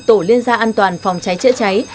tổ liên gia an toàn phòng cháy chữa cháy